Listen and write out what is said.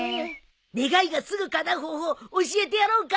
願いがすぐかなう方法教えてやろうか？